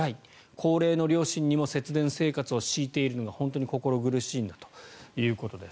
高齢の両親にも節電生活を強いているのが本当に心苦しいんだということです。